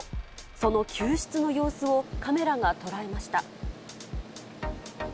その救出の様子をカメラが捉えました。